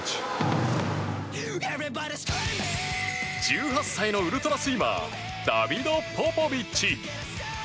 １８歳のウルトラスイマーダビド・ポポビッチ。